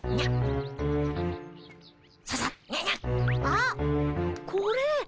あっこれ。